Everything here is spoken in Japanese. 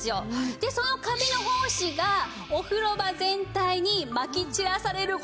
でそのカビの胞子がお風呂場全体にまき散らされる事もあって。